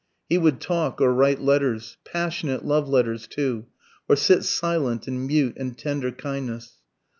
He would talk, or write letters passionate love letters, too or sit silent, in mute and tender kindness.